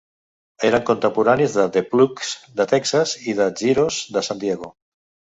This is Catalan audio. Eren contemporanis de The Plugz de Texas i The Zeros de San Diego.